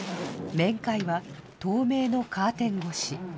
面会は透明のカーテン越し。